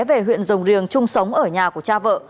về huyện rồng riềng chung sống ở nhà của cha vợ